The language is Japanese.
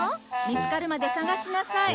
見つかるまで捜しなさい。